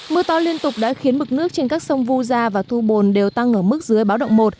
mưa to liên tục đã khiến mực nước trên các sông vu gia và thu bồn đều tăng ở mức dưới báo động một